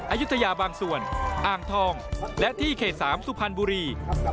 อายุทยาบางส่วนอ่างทองและที่เขต๓สุพรรณบุรี